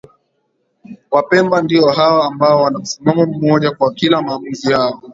Wapemba ndio hawa ambao wana msimamo mmoja kwa kila maamuzi yao